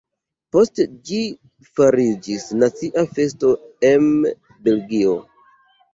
Poste ĝi fariĝis nacia festo em Belgio.